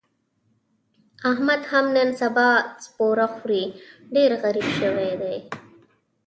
احمد هم نن سبا سپوره خوري، ډېر غریب شوی دی.